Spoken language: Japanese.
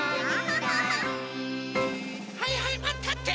はいはいマンたって！